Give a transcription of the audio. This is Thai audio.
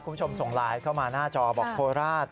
คุณผู้ชมส่งไลน์เข้ามาหน้าจอบอกโคราช